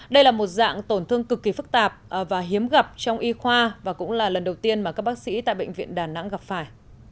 đây là một dạng tổn thương cực kỳ phức tạp và hiếm gặp trong y khoa và cũng là lần đầu tiên mà các bác sĩ tại bệnh viện đà nẵng gặp phải